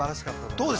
◆どうです？